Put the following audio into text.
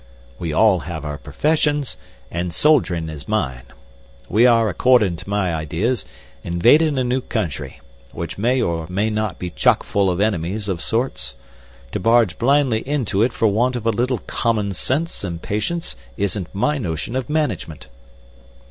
"We all have our professions, and soldierin' is mine. We are, accordin' to my ideas, invadin' a new country, which may or may not be chock full of enemies of sorts. To barge blindly into it for want of a little common sense and patience isn't my notion of management."